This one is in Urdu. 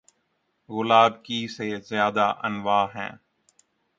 گلاب کی سے زیادہ انواع ہیں